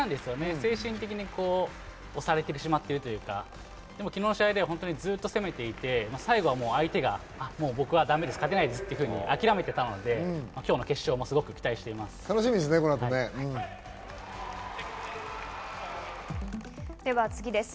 精神的に押されてしまっているというか、でも昨日の試合ではずっと攻めていて、最後は相手が僕はだめです、勝てないですと諦めていたので今日の決勝もすごく次です。